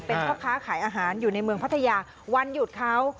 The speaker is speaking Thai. เป็นพ่อค้าขายอาหารอยู่ในเมืองพัทยาวันหยุดเขา